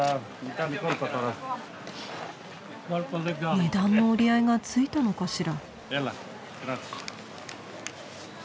値段の折り合いがついたのかしら？